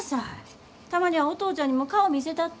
たまにはお父ちゃんにも顔見せたって。